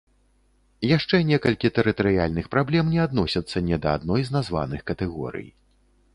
Яшчэ некалькі тэрытарыяльных праблем не адносяцца ні да адной з названых катэгорый.